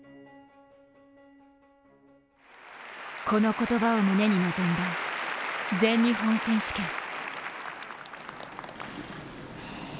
この言葉を胸に臨んだ全日本選手権。